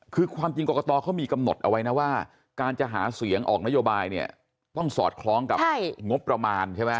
คือความจริงกรกตเขามีกำหนดเอาไว้นะว่าการจะหาเสียงออกนโยบายเนี่ยต้องสอดคล้องกับงบประมาณใช่ไหม